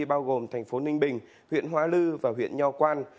bao gồm thành phố ninh bình huyện hóa lư và huyện nho quan